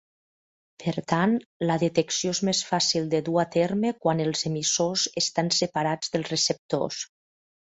Per tant, la detecció és més fàcil de dur a terme quan els emissors estan separats del receptors.